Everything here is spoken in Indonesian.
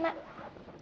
iya bentar ya sayang